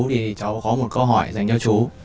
thì cháu có một câu hỏi dành cho chú